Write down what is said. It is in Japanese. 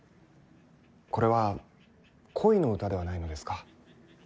これは、恋の歌ではないのですか。